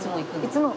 いつも。